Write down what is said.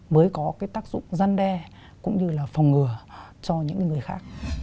mới có tác dụng giăn đe cũng như phòng ngừa cho những người khác